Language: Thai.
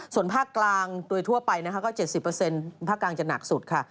ส่วนภาคกลางโดยทั่วไปนะคะก็๗๐ภาคกลางจะหนักสุดค่ะ